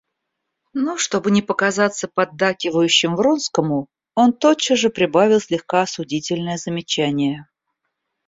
Но, чтобы не показаться поддакивающим Вронскому, он тотчас же прибавил слегка осудительное замечание.